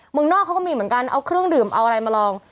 เมืองนอกเขาก็มีเหมือนกันเอาเครื่องดื่มเอาอะไรมาลอง